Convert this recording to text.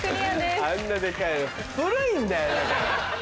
あんなでかい古いんだよ。